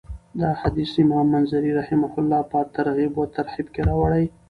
دا حديث امام منذري رحمه الله په الترغيب والترهيب کي راوړی .